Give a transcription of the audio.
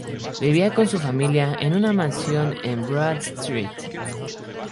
Vivía con su familia en una mansión en Broad Street.